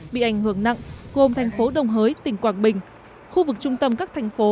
bị ảnh hưởng nặng gồm thành phố đồng hới tỉnh quảng bình khu vực trung tâm các thành phố